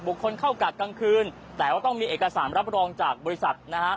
คนเข้ากาดกลางคืนแต่ว่าต้องมีเอกสารรับรองจากบริษัทนะฮะ